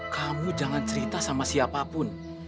kamu jangan cerita sama siapapun